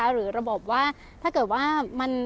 หรือระบบว่าถ้าเกิดว่ามัน